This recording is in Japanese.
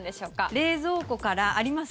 冷蔵庫からあります？